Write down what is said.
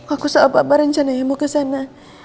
aku salah apa berencana ya mau ke sana